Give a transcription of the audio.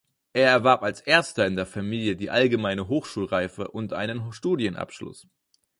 Er erwarb als Erster in der Familie die Allgemeine Hochschulreife und einen Studienabschluss.